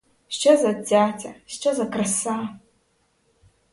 Що за цяця, що за краса!